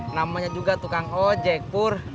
namanya juga tukang ojek pur